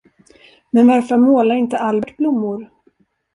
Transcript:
Men varför målar inte Albert blommor?